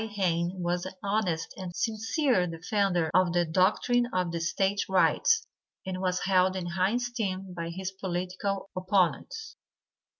Hayne was an honest and sincere defender of the doctrine of the State Rights, and was held in high esteem by his political opponents.